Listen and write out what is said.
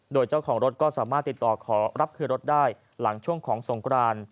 โดยเจ้าของรถก็สามารถติดต่อขอรับคืนรถได้หลังช่วงของสงคราน